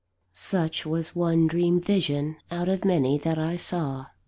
Such was one dream vision out of many that I saw.